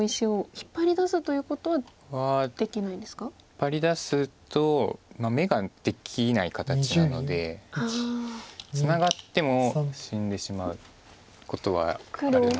引っ張り出すと眼ができない形なのでツナがっても死んでしまうことはあるので。